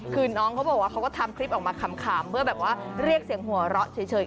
คือน้องเขาบอกว่าเขาก็ทำคลิปออกมาขำเพื่อแบบว่าเรียกเสียงหัวเราะเฉย